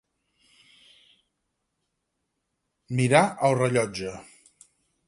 Mirà el rellotge.